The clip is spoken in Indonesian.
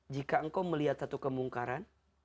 jika engkau melihat satu kemungkaran